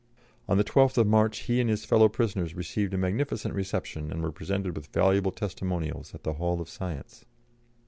On the 12th of March he and his fellow prisoners received a magnificent reception and were presented with valuable testimonials at the Hall of Science.